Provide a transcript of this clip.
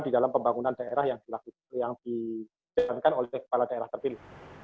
di dalam pembangunan daerah yang dijalankan oleh kepala daerah terpilih